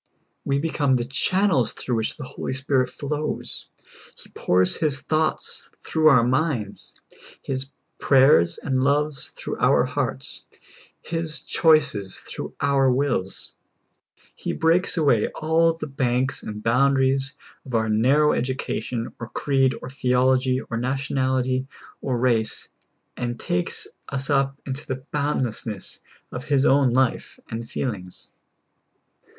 We become the channels through wdiich the Holy Spirit flows ; He pours His thoughts through our minds. His prayers and loves through our hearts. His choices through our wills. He breaks awa^ all the banks and boundaries of our nar row education, or creed, or tlieolog}^ or nationality, or 42 SOUL FOOD. race, aud takes u.s up into the boundlessness of His own life and feelings.